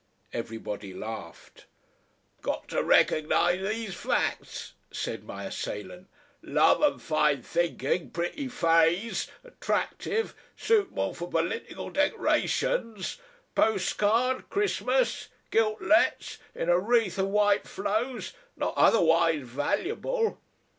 Everybody laughed. "Got to rec'nise these facts," said my assailant. "Love and fine think'n pretty phrase attractive. Suitable for p'litical dec'rations. Postcard, Christmas, gilt lets, in a wreath of white flow's. Not oth'wise valu'ble."